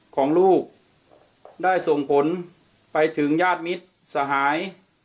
ของลูกได้ส่งผลไปถึงญาติมิตรสหาย